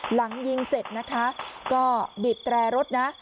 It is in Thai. หลังยิงเสร็จนะคะก็บีบแตรรถนะ